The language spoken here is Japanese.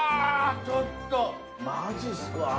ちょっとマジすか！？